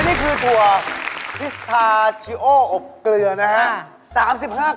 นี่คือถั่วพิสทาเชียวอบเกลือนะครับ